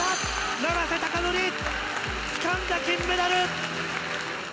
永瀬たかのり、つかんだ金メダル。